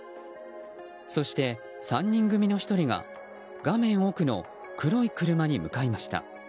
そして３人組の１人が画面奥の黒い車に向かいました。